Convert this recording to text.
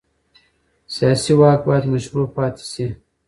سیاسي واک باید مشروع پاتې شي